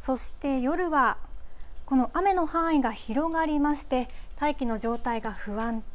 そして夜は、この雨の範囲が広がりまして、大気の状態が不安定。